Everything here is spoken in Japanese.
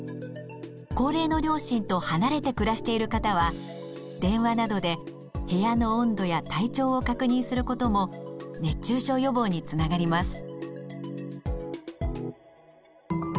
高齢の両親と離れて暮らしている方は電話などで部屋の温度や体調を確認することも熱中症予防につながります。